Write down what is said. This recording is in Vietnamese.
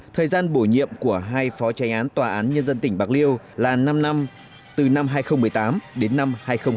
thời gian bổ nhiệm của hai phó tránh án tòa án nhân dân tỉnh bạc liêu là năm năm từ năm hai nghìn một mươi tám đến năm hai nghìn một mươi chín